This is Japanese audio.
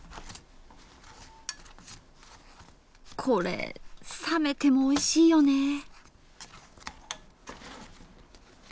これ冷めてもおいしいよね。